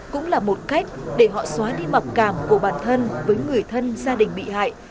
cũng là một cách để họ xóa đi mập cảm của bản thân với người thân gia đình bị hại